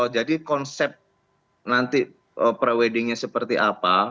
jadi konsep nanti pre weddingnya seperti apa